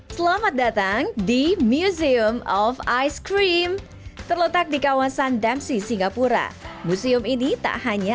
selamat datang di museum of ice cream terletak di kawasan damsey singapura museum ini tak hanya